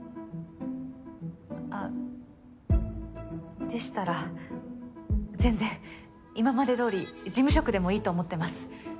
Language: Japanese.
あっでしたら全然今までどおり事務職でもいいと思ってます。